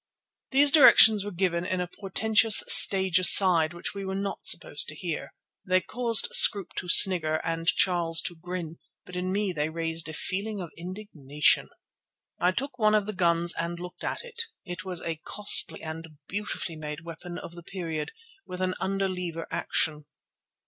These directions were given in a portentous stage aside which we were not supposed to hear. They caused Scroope to snigger and Charles to grin, but in me they raised a feeling of indignation. I took one of the guns and looked at it. It was a costly and beautifully made weapon of the period, with an under lever action.